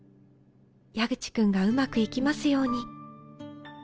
矢口君がうまくいきますように。